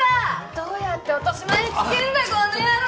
どうやって落とし前つけんだこの野郎！